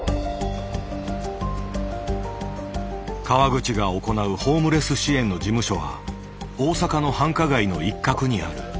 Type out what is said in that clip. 川口が行うホームレス支援の事務所は大阪の繁華街の一角にある。